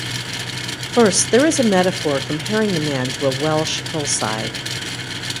First, there is a metaphor comparing the man to a Welsh hillside.